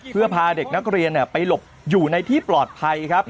เพื่อพาเด็กนักเรียนไปหลบอยู่ในที่ปลอดภัยครับ